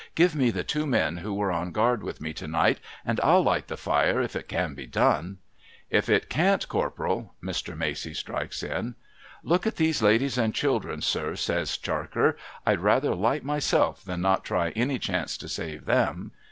Give me the two men who were on guard with me to night, and I'll light the fire, if it can be done.' ' And if it can't. Corporal ' Mr. Macey strikes in. ' Look at these ladies and children, sir !' says Charker. ' I'd sooner light myself, than not try any chance to save them.'